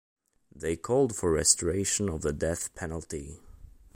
They called for restoration of the death penalty.